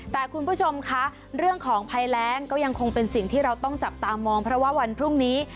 แต่คุณผู้ชมคะเรื่องของภัยแรงก็ยังคงเป็นสิ่งที่เราต้องจับตามองเพราะว่าวันพรุ่งนี้